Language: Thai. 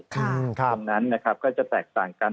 ค่ะครับตรงนั้นนะครับก็จะแตกต่างกัน